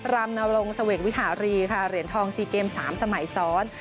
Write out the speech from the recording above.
รามนาวรงค์สเวกวิหารีเหรียญทองซีเกม๓สมัยซ้อน